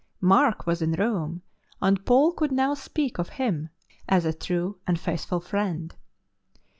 Mark was in Rome, and Paul could now speak of him as a true and faithful friend.